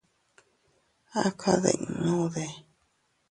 ¿A kadinnuudee?.